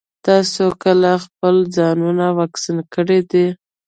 تاسو کله خپل ځانونه واکسين کړي دي؟